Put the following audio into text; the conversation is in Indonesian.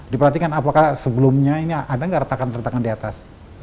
diperhatikan apakah sebelumnya ini ada nggak retakan retakan di atas